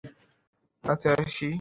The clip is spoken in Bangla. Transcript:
কাছে আসি।